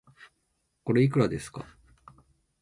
これ、いくらですか